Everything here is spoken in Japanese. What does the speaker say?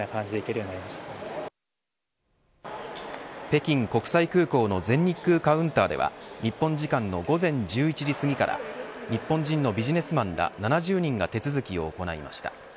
北京国際空港の全日空カウンターでは日本時間の午前１１時過ぎから日本人のビジネスマンら７０人が手続きを行いました。